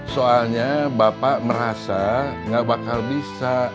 soalnya bapak merasa gak bakal bisa